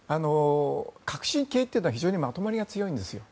革新系というのは非常にまとまりが強いんですよ。